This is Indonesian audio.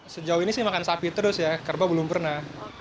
sejauh ini sih makan sapi terus ya kerbau belum pernah